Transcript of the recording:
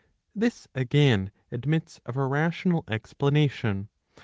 This again admits of a rational explanation.